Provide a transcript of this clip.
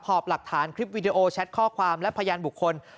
หอบหลักฐานคลิปวิดีโอแชทข้อความและพยานบุคคล